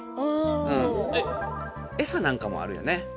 エサなんかもあるよね。